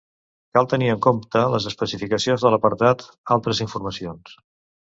Cal tenir en compte les especificacions de l'apartat "Altres informacions".